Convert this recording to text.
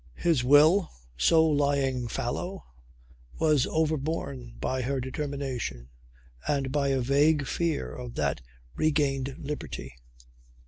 His will, so long lying fallow, was overborne by her determination and by a vague fear of that regained liberty.